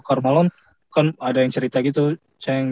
carmelon kan ada yang cerita gitu ceng